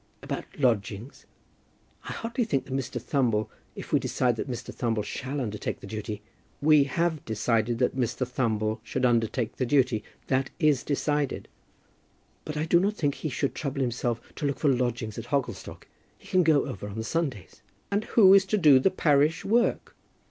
"About lodgings? I hardly think that Mr. Thumble, if we decide that Mr. Thumble shall undertake the duty " "We have decided that Mr. Thumble should undertake the duty. That is decided." "But I do not think he should trouble himself to look for lodgings at Hogglestock. He can go over on the Sundays." "And who is to do the parish work?